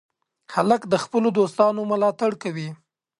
هلک د خپلو دوستانو ملاتړ کوي.